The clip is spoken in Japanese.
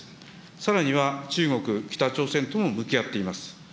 さらには中国、北朝鮮とも向き合っています。